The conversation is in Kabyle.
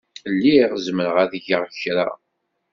Lliɣ zemreɣ ad geɣ kra.